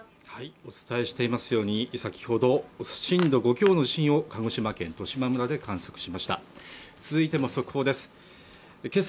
お伝えしていますように先ほど震度５強の地震を鹿児島県十島村で観測しました続いても速報ですけさ